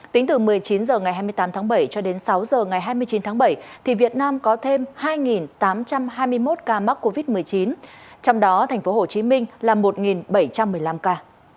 tính từ một mươi chín h ngày hai mươi tám tháng bảy cho đến sáu h ngày hai mươi chín tháng bảy thì việt nam có thêm hai tám trăm hai mươi một ca mắc covid một mươi chín trong đó thành phố hồ chí minh là một bảy trăm một mươi năm ca